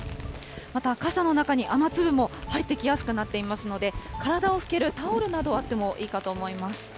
また、傘の中に雨粒も入ってきやすくなっていますので、体を拭けるタオルなど、あってもいいかと思います。